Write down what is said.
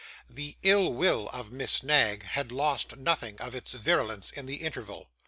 The ill will of Miss Knag had lost nothing of its virulence in the interval.